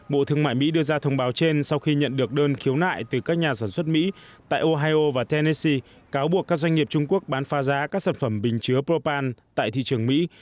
bộ thương mại mỹ đưa ra thông báo trên sau khi nhận được đơn khiếu nại từ các nhà sản xuất mỹ tại ohio và tennese cáo buộc các doanh nghiệp trung quốc bán pha giá các sản phẩm bình chứa propan tại thị trường mỹ